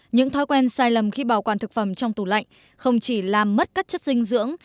những thói quen sai lầm khi bảo quản thực phẩm trong tủ lạnh không chỉ làm mất các chất dinh dưỡng